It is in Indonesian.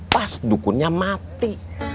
pas dukunnya mati